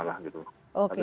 nah ini sudah terjadi